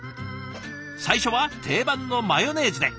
最初は定番のマヨネーズで。